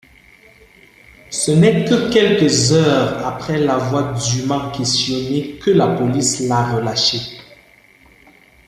Ce n'est que quelques heures après l'avoir dûment questionné que la police l'a relâché.